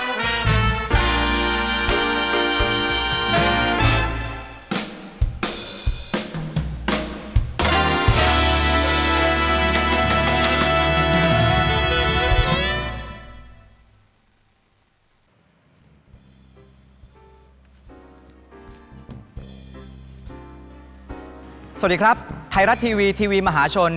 สวัสดีครับไทยรัฐทีวีทีวีมหาชน